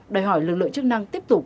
đòi hỏi lực lượng chức năng tiếp tục